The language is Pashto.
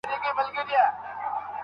په شخړو کي د نجلۍ ورکول ناروا دي.